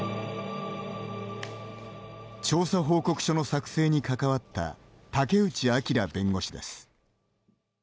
調査報告書の作成に関わった竹内朗弁護士です。